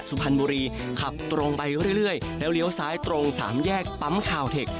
สุพรรณบุรีขับตรงไปเรื่อยแล้วเลี้ยวซ้ายตรงสามแยกปั๊มคาวเทค